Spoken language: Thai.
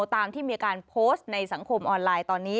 ตามที่มีการโพสต์ในสังคมออนไลน์ตอนนี้